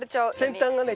先端がね